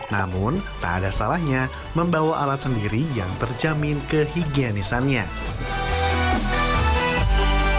namun tak ada salahnya membawa alat sendiri yang terjamin kehigienisannya terumbu karang ragam